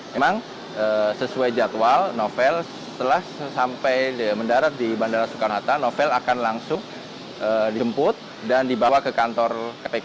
memang sesuai jadwal novel setelah sampai mendarat di bandara soekarno hatta novel akan langsung dijemput dan dibawa ke kantor kpk